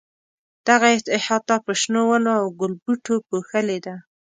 دغه احاطه په شنو ونو او ګلبوټو پوښلې ده.